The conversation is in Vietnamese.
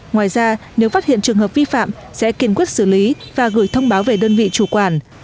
ngoài ra nếu phát hiện trường hợp vi phạm sẽ kiên quyết xử lý và gửi thông báo về đơn vị chủ quản